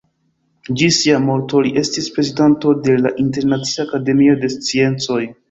Ĝis sia morto li estis prezidanto de la Internacia Akademio de Sciencoj.